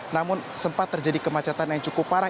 namun sempat terjadi kemacetan yang cukup parah